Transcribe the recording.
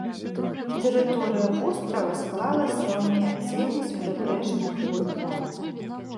Тэрыторыя вострава склалася ў міяцэне з прыбярэжных выдмаў.